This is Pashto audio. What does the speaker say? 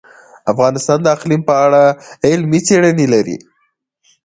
افغانستان د اقلیم په اړه علمي څېړنې لري.